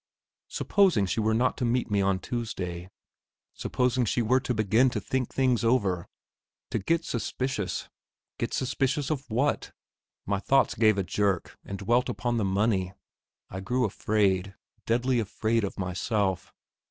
Supposing she were not to meet me on Tuesday! Supposing she were to begin to think things over, to get suspicious ... get suspicious of what?... My thoughts gave a jerk and dwelt upon the money. I grew afraid; deadly afraid of myself.